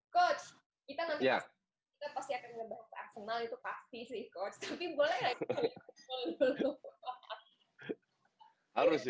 coach kita nanti pasti akan membahas arsenal itu pasti coach